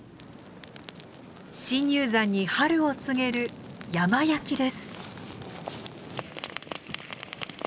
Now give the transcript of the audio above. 深入山に春を告げる山焼きです。